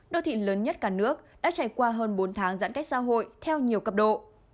đô thị lớn nhất cả nước đã trải qua hơn bốn tháng giãn cách xã hội theo nhiều cấp độ